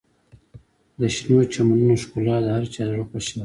د شنو چمنونو ښکلا د هر چا زړه خوشحالوي.